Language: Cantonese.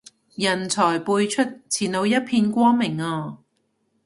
人才輩出，前路一片光明啊